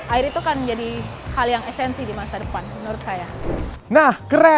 air itu akan menjadi hal yang esensi di masa depan menurut saya